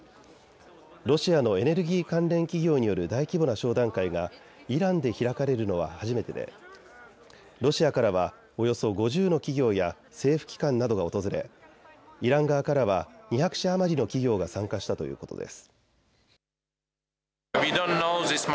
ロシアのエネルギー関連企業による大規模な商談会がイランで開かれるのは初めてでロシアからはおよそ５０の企業や政府機関などが訪れイラン側からは２００社余りの企業が参加したということです。